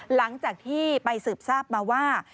หลังจากที่ไปสืบทราบมาว่า